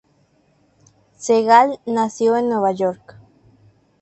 Segal nació en Nueva York.